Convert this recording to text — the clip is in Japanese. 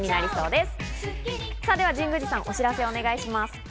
では神宮寺さん、お知らせをお願いします。